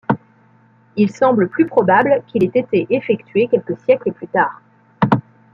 Il semble plus probable qu'il ait été effectué quelques siècles plus tard.